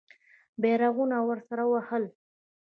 بیرغونه ورسره وهل.